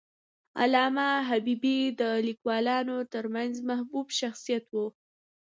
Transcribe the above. علامه حبیبي د لیکوالانو ترمنځ محبوب شخصیت و.